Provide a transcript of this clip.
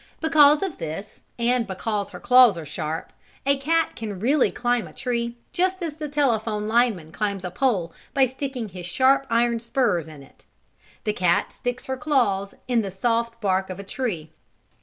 Because of this, and because her claws are sharp, a cat can really climb a tree, just as the telephone lineman climbs a pole by sticking his sharp iron spurs in it. The cat sticks her claws in the soft bark of a tree.